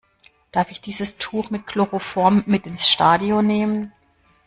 Darf ich dieses Tuch mit Chloroform mit ins Stadion nehmen?